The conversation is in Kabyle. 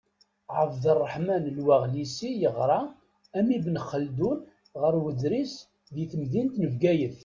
Ɛebderreḥman Al-Waɣlisi yeɣra, am Ibn Xeldun, ɣer Wedris di temdint n Bgayet.